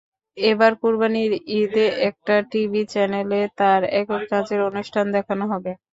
এবার কোরবানির ঈদে একটি টিভি চ্যানেলে তাঁর একক নাচের অনুষ্ঠান দেখানো হবে।